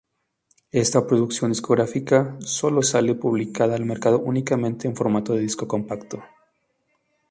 Ésta producción discográfica sólo sale publicada al mercado únicamente en formato de disco compacto.